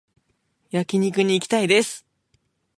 焼肉に行きたいです